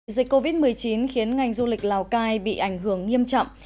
dịch covid một mươi chín khiến ngành du lịch lào cai bị ảnh hưởng nghiêm trọng